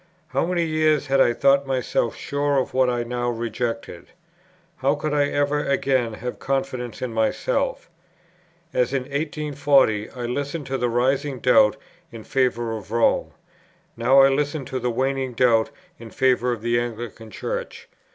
How many years had I thought myself sure of what I now rejected? how could I ever again have confidence in myself? As in 1840 I listened to the rising doubt in favour of Rome, now I listened to the waning doubt in favour of the Anglican Church.